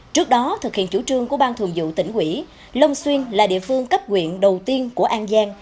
trước đó thực hiện chủ trương của bang thường dụ tỉnh quỷ long xuyên là địa phương cấp quyện đầu tiên của an giang